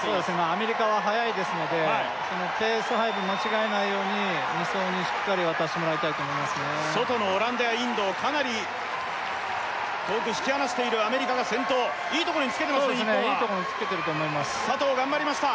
アメリカは速いですのでそのペース配分間違えないように２走にしっかり渡してもらいたいと思いますね外のオランダやインドをかなり遠く引き離しているアメリカが先頭いいとこにつけてますね日本はそうですねいいとこにつけてると思います佐藤頑張りました